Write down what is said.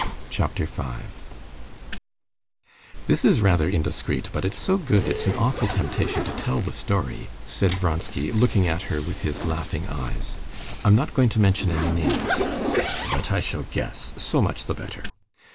Chapter 5 "This is rather indiscreet, but it's so good it's an awful temptation to tell the story," said Vronsky, looking at her with his laughing eyes. "I'm not going to mention any names." "But I shall guess, so much the better."